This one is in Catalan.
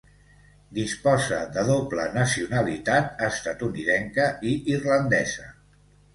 Disposa de doble nacionalitat estatunidenca i irlandesa.